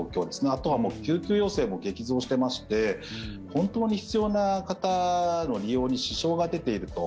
あとは救急要請も激増してまして本当に必要な方の利用に支障が出ていると。